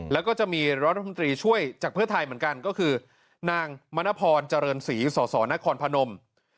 แล้วก็จะมีรัฐมนตรีช่วยจากเพื่อไทยเหมือนกันก็คือนางมณพรเจริญศรีสสนครพนม